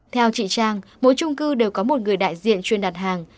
theo chị trang mỗi trung cư đều có một người đại diện chuyên đặt hàng